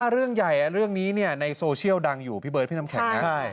เรื่องใหญ่เรื่องนี้ในโซเชียลดังอยู่พี่เบิร์ดพี่น้ำแข็งนะ